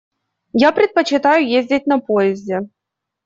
Я предпочитаю ездить на поезде.